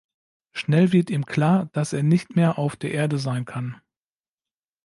Schnell wird ihm klar, dass er nicht mehr auf der Erde sein kann.